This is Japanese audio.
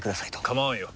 構わんよ。